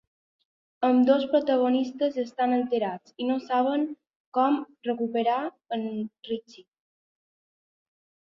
Ambdós protagonistes estan alterats, i no saben com recuperar en Richie.